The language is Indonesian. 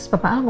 pada saat itu